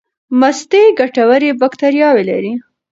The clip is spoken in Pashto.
مستې ګټورې باکتریاوې لري.